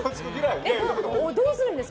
どうするんですか？